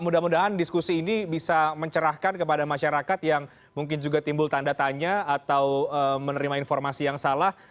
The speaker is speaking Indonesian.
mudah mudahan diskusi ini bisa mencerahkan kepada masyarakat yang mungkin juga timbul tanda tanya atau menerima informasi yang salah